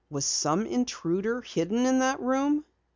Was some intruder hidden in that room?